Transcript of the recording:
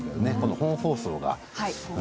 本放送が。